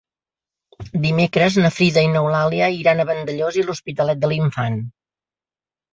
Dimecres na Frida i n'Eulàlia iran a Vandellòs i l'Hospitalet de l'Infant.